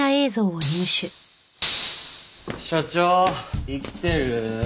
所長生きてる？